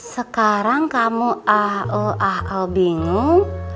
sekarang kamu ah eul ah eul bingung